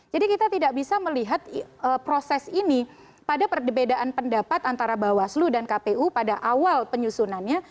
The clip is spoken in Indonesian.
jadi kita tidak bisa melihat proses ini pada perbedaan pendapat antara bawaslu dan kpu pada awal penyusunannya